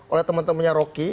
oleh teman temannya rocky